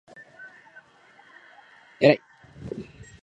えらい！！！！！！！！！！！！！！！